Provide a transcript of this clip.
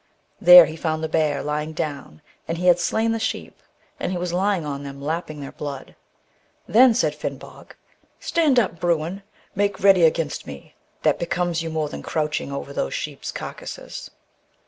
There he found the bear lying down, and he had slain the sheep, and he was lying on them lapping their blood. Then said Finnbog :* Stand up. Bruin ! make ready against me ; that becomes you more than crouching over those sheep's carcases.